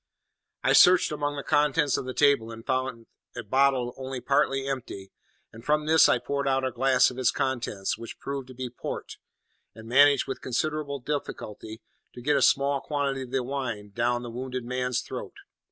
I searched among the contents of the table until I found a bottle only partly empty, and from this I poured out a glass of its contents, which proved to be port, and managed with considerable difficulty to get a small quantity of the wine down the wounded man's throat.